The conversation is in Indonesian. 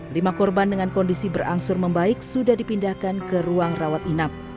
lima korban dengan kondisi berangsur membaik sudah dipindahkan ke ruang rawat inap